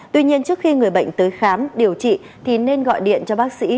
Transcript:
tuy nhiên trước khi người bệnh tới khám điều trị thì nên gọi điện cho bác sĩ